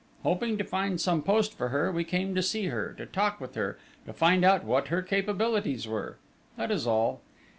Hoping to find some post for her, we came to see her, to talk with her, to find out what her capabilities were. That is all.